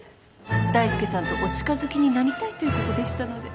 大介さんとお近づきになりたいということでしたので。